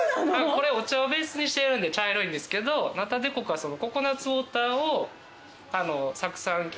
これお茶をベースにしているんで茶色いんですけどナタデココはココナツウオーターを酢酸菌で。